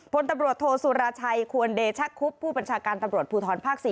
พลตำรวจโทษสุรชัยควรเดชะคุบผู้บัญชาการตำรวจภูทรภาค๔